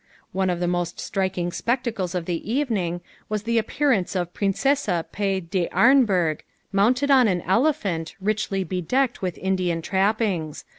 "One of the most striking spectacles of the evening was the appearance of Princesse P. d'Arenberg, mounted on an elephant, richly bedecked with Indian trappings.